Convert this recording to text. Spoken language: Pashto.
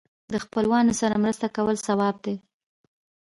د خپلوانو سره مرسته کول ثواب دی.